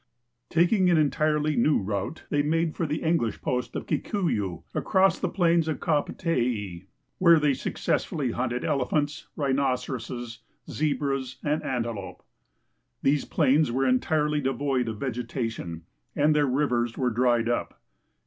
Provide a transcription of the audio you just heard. Taking an entirely new route, they made for the English post of Kikuyu, across the plains of Kapotei, where they "successfully hunted elejiliants, rhinoceros, zebras, and antelope. These jilains were entirely devoid of vegetati<jn and their rivers were dried up.